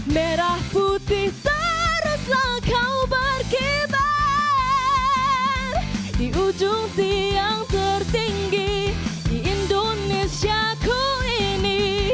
merah putih teruslah kau berkibar di ujung siang tertinggi di indonesia ku ini